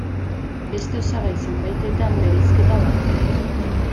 Beste osagai zenbaitetan bereizketa badago.